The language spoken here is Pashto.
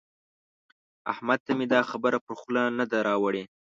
احمد ته مې دا خبره پر خوله نه ده راوړي.